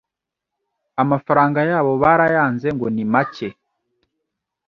amafaranga yabo barayanze ngo ni make